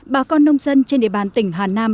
bà con nông dân trên địa bàn tỉnh hà nam